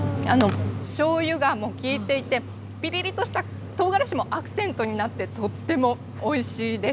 しょうゆが利いていて、ぴりりとした唐辛子もアクセントになって、とってもおいしいです。